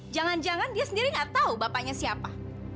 jangan jangan dia sendiri nggak tahu bapaknya siapa